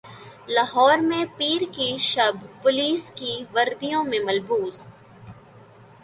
لاہور میں پیر کی شب پولیس کی وردیوں میں ملبوس